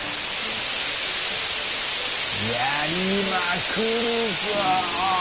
やりまくるぞ！